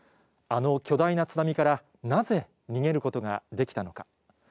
あの巨大な津波からなぜ逃げることができたのか。